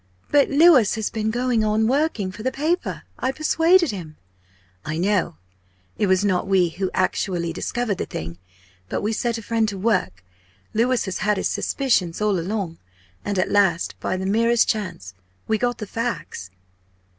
"But Louis has been going on working for the paper I persuaded him." "I know. It was not we who actually discovered the thing. But we set a friend to work. Louis has had his suspicions all along. And at last by the merest chance we got the facts."